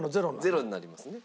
ゼロになりますね。